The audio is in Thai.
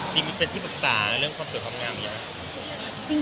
จริงเป็นที่ปรึกษาเรื่องความสวยความงามหรือยัง